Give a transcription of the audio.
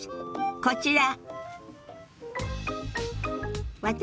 こちら。